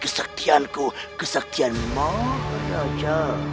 kesekianku kesekian maha raja